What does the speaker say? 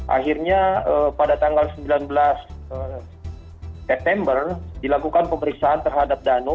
akhirnya pada tanggal sembilan belas september dilakukan pemeriksaan terhadap dano